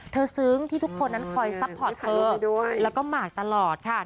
ซึ้งที่ทุกคนนั้นคอยซัพพอร์ตเธอแล้วก็หมากตลอดค่ะ